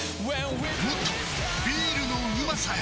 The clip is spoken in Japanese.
もっとビールのうまさへ！